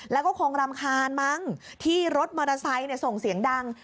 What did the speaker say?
แล้วก็คงรำคาญมั้งที่รถมอเตอร์ไซค์ส่งเสียงดัง